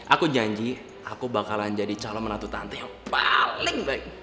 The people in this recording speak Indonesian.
aku janji aku bakalan jadi calon menantu tante yang paling baik